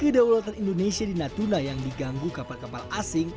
kedaulatan indonesia di natuna yang diganggu kapal kapal asing